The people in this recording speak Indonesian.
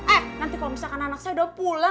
eh nanti kalau misalkan anak saya udah pulang